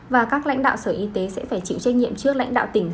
và các lãnh đạo sở y tế sẽ phải chịu trách nhiệm trước lãnh đạo tỉnh